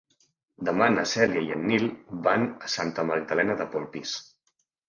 Demà na Cèlia i en Nil van a Santa Magdalena de Polpís.